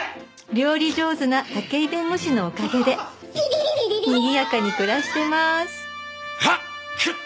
料理上手な武井弁護士のおかげでにぎやかに暮らしてまーす！